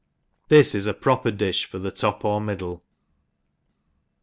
This is a proper di(h for the top or middle.